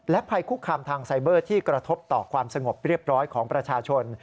ภัยคุกคามทางไซเบอร์ที่กระทบต่อความสงบเรียบร้อยของประชาชน